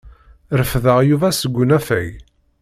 Refdeɣ Yuba seg unafag.